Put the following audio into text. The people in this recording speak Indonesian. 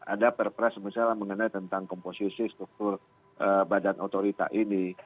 ada perpres misalnya mengenai tentang komposisi struktur badan otorita ini